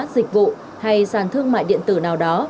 dịch vụ hay sàn thương mại điện tử nào đó